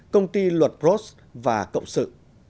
công ty luật pros và cộng sự